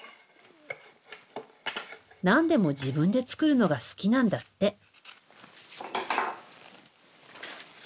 何でも自分で作るのが好きなんだって。